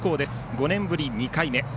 ５年ぶり２回目。